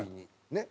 ねっ？